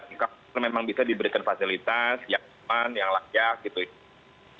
kalau memang bisa diberikan fasilitas yang aman yang layak gitu ya